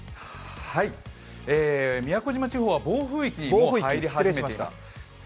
宮古島地方は暴風域に入り始めました。